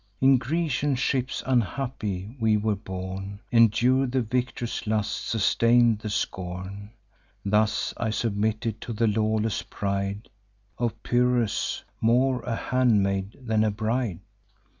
In Grecian ships unhappy we were borne, Endur'd the victor's lust, sustain'd the scorn: Thus I submitted to the lawless pride Of Pyrrhus, more a handmaid than a bride.